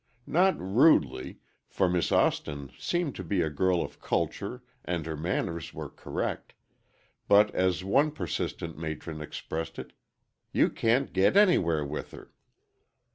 Not rudely, for Miss Austin seemed to be a girl of culture and her manners were correct, but, as one persistent matron expressed it, "you can't get anywhere with her."